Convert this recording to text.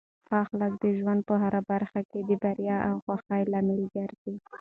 ښه اخلاق د ژوند په هره برخه کې د بریا او خوښۍ لامل ګرځي.